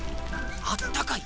あったかい。